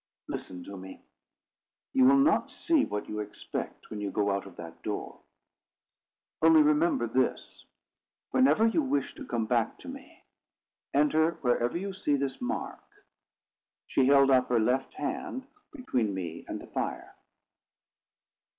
"Listen to me. You will not see what you expect when you go out of that door. Only remember this: whenever you wish to come back to me, enter wherever you see this mark." She held up her left hand between me and the fire.